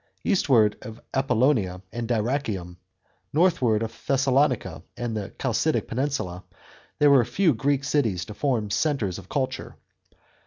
Eastward of Apollonia and Dyrrhachium, northward of Thessalonica and the Chalcidic peninsula, there were few Greek cities to form centres of culture.